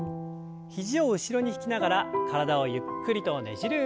肘を後ろに引きながら体をゆっくりとねじる運動です。